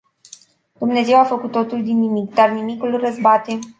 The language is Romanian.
Dumnezeu a făcut totul din nimic. Dar nimicul răzbate.